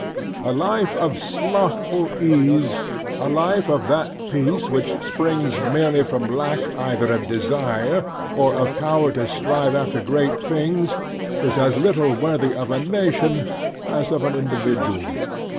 A life of slothful ease, a life of that peace which /springs merely from lack either of desire or of ^ power to strive after great things, is as little worthy of a nation as of an individual.